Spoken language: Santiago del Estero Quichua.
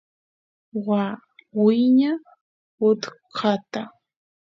waa wiña utkata